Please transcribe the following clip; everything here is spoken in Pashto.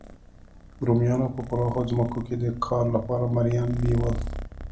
رومیانو په پراخو ځمکو کې د کار لپاره مریان بیول